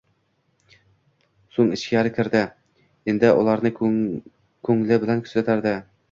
So'ng ichkari kirdi. Endi ularni ko'ngli bilan kuzatardi.